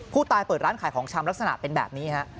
เปิดร้านขายของชำลักษณะเป็นแบบนี้ฮะ